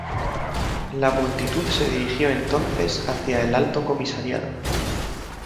La multitud se dirigió entonces hacia el Alto Comisariado.